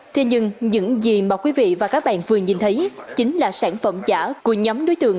thế nhưng những gì mà quý vị và các bạn vừa nhìn thấy chính là sản phẩm giả của nhóm đối tượng